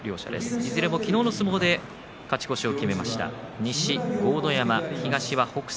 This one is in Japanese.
いずれも昨日の相撲で勝ち越しを決めました。